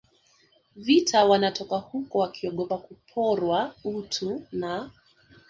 vita wanatoka huko wakiogopa kuporwa utu na